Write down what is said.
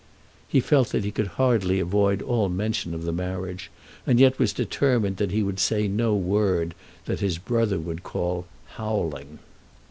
He felt that he could hardly avoid all mention of the marriage, and yet was determined that he would say no word that his brother would call "howling."